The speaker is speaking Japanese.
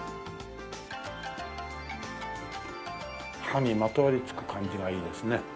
歯にまとわりつく感じがいいですね。